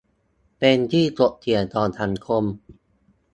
เป็นที่ถกเถียงของสังคม